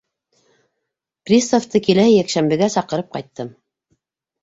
Приставты киләһе йәкшәмбегә саҡырып ҡайттым.